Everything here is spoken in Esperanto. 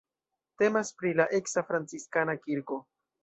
Temas pri la eksa franciskana kirko.